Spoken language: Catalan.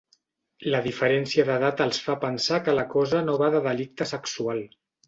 La diferència d'edat els fa pensar que la cosa no va de delicte sexual.